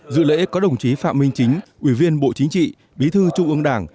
dự lễ có đồng chí phạm minh chính ủy viên bộ chính trị bí thư trung ương đảng